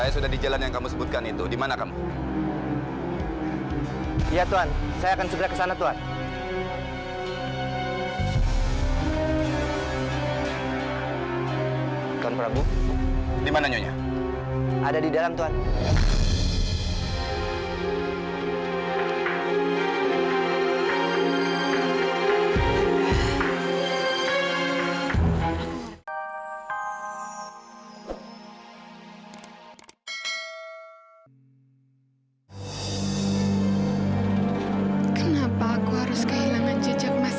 sampai jumpa di video selanjutnya